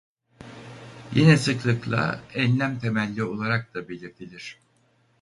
Yine sıklıkla enlem temelli olarak da belirtilir.